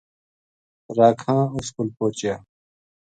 راکھاں اس کول پوہچیا